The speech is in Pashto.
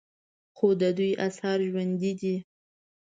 خو د دوی آثار ژوندي دي